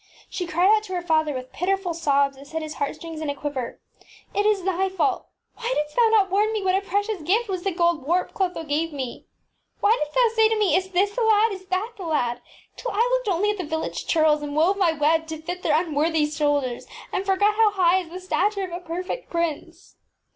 She Ufa MJeabetss cried out to her father with pitiful sobs that set his heartstrings in a quiver, ŌĆś It is thy fault ! Why didst thou not warn me what a precious gift was the gold warp Clotho gave me ! Why didst thou say to me, ŌĆ£ Is this the lad? Is that the lad? ŌĆØ till I looked only at the village churls and wove my web to fit their un worthy shoulders, and forgot how high is the stature of a perfect prince